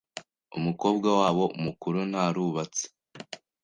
Umukobwa wabo mukuru ntarubatse .